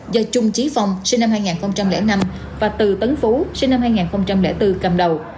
do trung trí phong sinh năm hai nghìn năm và từ tấn phú sinh năm hai nghìn bốn cầm đầu